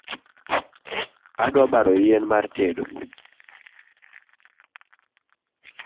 Adwa baro yien mar tedo